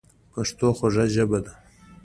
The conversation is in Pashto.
پښتو خوږه ژبه ده